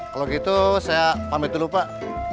kalau gitu saya pamit dulu pak